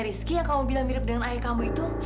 rizky yang kamu bilang mirip dengan ayah kamu itu